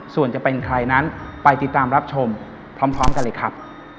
ส่วนจะเป็นใครนั้นไปติดตามรับชมพร้อมกันเลยครับ